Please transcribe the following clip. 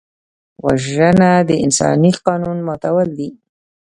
وژنه د انساني قانون ماتول دي